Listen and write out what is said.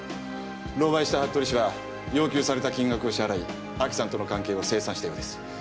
狼狽した服部氏は要求された金額を支払い亜紀さんとの関係を精算したようです。